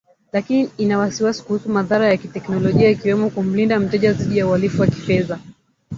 lakini ina wasiwasi kuhusu madhara ya kiteknolojia ikiwemo kumlinda mteja dhidi ya uhalifu wa kifedha